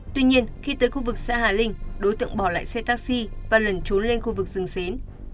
tuy nhiên khi tới khu vực xã hà linh đối tượng bỏ lại xe taxi và lần trốn lên khu vực rừng xến